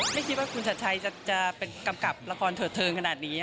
ไม่คิดว่าคุณชัดชัยจะเป็นกำกับละครเถิดเทิงขนาดนี้